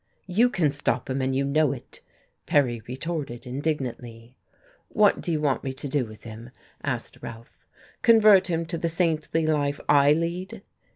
"You can stop him, and you know it," Perry retorted indignantly. "What do you want me to do with him?" asked Ralph. "Convert him to the saintly life I lead?"